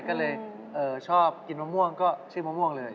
ก็เลยชอบกินมะม่วงก็ชื่อมะม่วงเลย